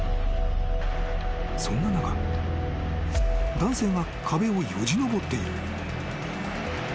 ［そんな中男性が壁をよじ登っている］